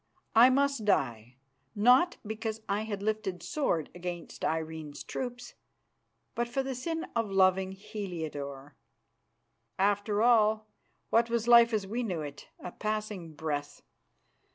I must die, not because I had lifted sword against Irene's troops, but for the sin of loving Heliodore. After all, what was life as we knew it? A passing breath!